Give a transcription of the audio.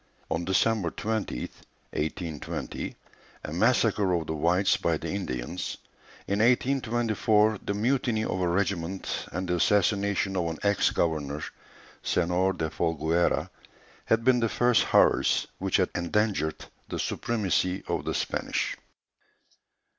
On December 20th, 1820, a massacre of the whites by the Indians; in 1824, the mutiny of a regiment, and the assassination of an ex governor, Senor de Folgueras, had been the first horrors which had endangered the supremacy of the Spanish.